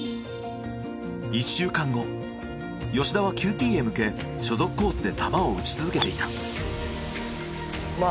１週間後吉田はＱＴへ向け所属コースで球を打ち続けていた。